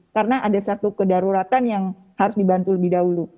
karena ada satu kedaruratan yang harus dibantu lebih dahulu